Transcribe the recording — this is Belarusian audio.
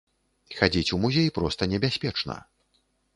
Хадзіць у музей проста небяспечна.